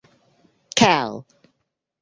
Cal.